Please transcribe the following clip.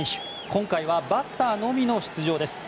今回はバッターのみの出場です。